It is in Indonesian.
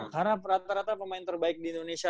karena rata rata pemain terbaik di indonesia